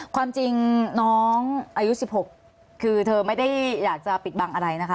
ความจริงน้องอายุ๑๖คือเธอไม่ได้อยากจะปิดบังอะไรนะคะ